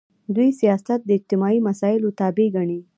دوی سیاست د اجتماعي مسایلو تابع ګڼي.